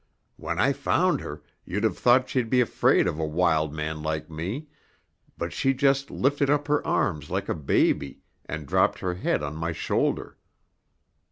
When I found her, you'd have thought she'd be afraid of a wild man like me, but she just lifted up her arms like a baby and dropped her head on my shoulder.